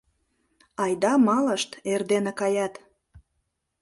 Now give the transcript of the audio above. «Айда малышт, эрдене каят.